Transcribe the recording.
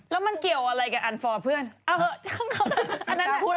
แล้วมันเกี่ยวอะไรกับอันฟอร์ดเพื่อน